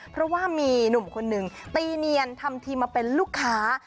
เพราะว่ามีหนุ่มคนหนึ่งตีเนียนทำทีมาเป็นลูกค้า